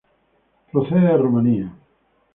Procede de Rumanía.